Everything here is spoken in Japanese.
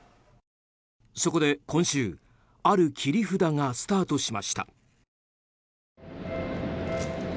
そこで今週ある切り札がスタートしました。